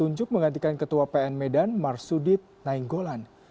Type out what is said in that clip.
tunjuk menggantikan ketua pn medan marsudit nainggolan